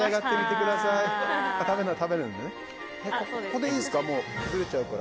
ここでいいですか。